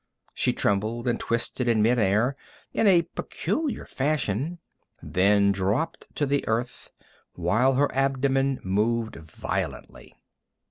She trembled and twisted in mid air in a peculiar fashion, then dropped to the earth, while her abdomen moved violently.